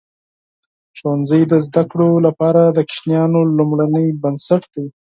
ښوونځی د زده کړو لپاره د ماشومانو لومړنۍ بنسټ دی.